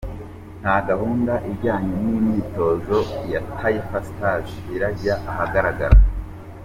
Nta gahunda ijyanye n’imyitozo ya Taifa Stars irajya ahagaragara.